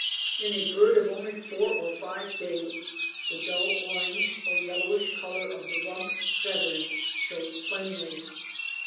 In a bird of only four or five days the dull orange or yellowish color of the rump feathers shows plainly.